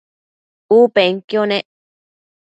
U penquio nec